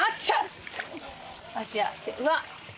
うわっ。